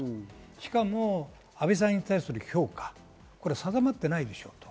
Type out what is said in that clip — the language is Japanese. しかも安倍さんに対する評価定まっていないでしょと。